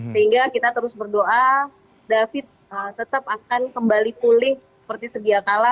sehingga kita terus berdoa david tetap akan kembali pulih seperti sedia kala